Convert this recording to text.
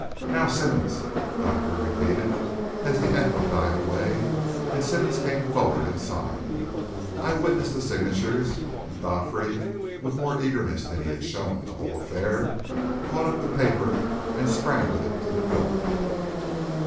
"Now, Simmonds," Godfrey repeated, as the echo died away, and Simmonds came forward and signed. I witnessed the signatures, and Godfrey, with more eagerness than he had shown in the whole affair, caught up the paper and sprang with it to the door.